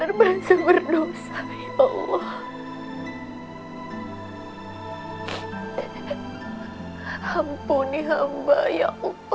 dan bisa doain mama